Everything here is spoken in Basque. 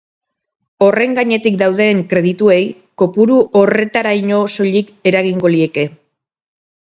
Horren gainetik dauden kredituei, kopuru horretaraino soilik eragingo lieke.